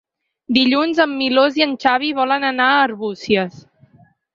Dilluns en Milos i en Xavi volen anar a Arbúcies.